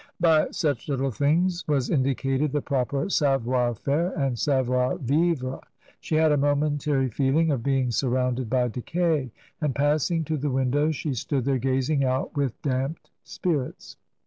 By such little things was indicated the proper savoir faire and savoir vivre ; she had a momentary feeling of being surrounded by decay. And passing to the window, she stood there gazing out with damped spirits.